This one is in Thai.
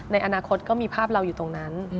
ในอนาคตก็มีภาพเราอยู่ตรงนั้น